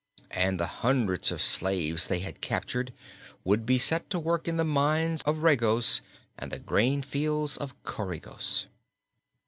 And the hundreds of slaves they had captured would be set to work in the mines of Regos and the grain fields of Coregos.